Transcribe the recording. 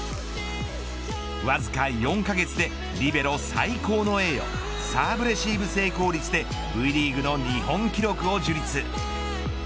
わずか４カ月でリベロ最高の栄誉サーブレシーブ成功率でＶリーグの日本記録を樹立。